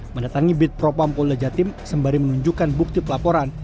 mendatangi bid propampol dejati sembari menunjukkan bukti pelaporan